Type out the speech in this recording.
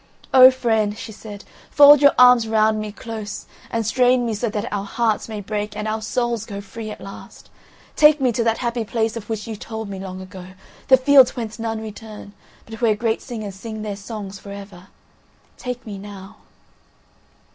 "Oh friend," she said, "fold your arms round me close and strain me so that our hearts may break and our souls go free at last. Take me to that happy place of which you told me long ago. The fields whence none return, but where great singers sing their songs for ever. Take me now."